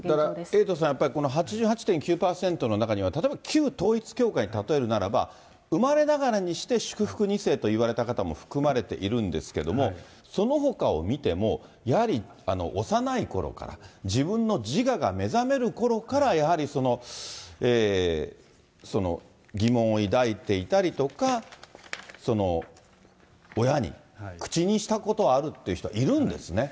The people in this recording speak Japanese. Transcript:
エイトさん、やっぱりこの８８．９％の中には、例えば旧統一教会に例えるならば、生まれながらにして祝福２世といわれた方も含まれているんですけれども、そのほかを見ても、やはり幼いころから、自分の自我が目覚めるころから、やはりその疑問を抱いていたりとか、親に、口にしたことはあるという人はいるんですね。